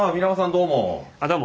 どうも。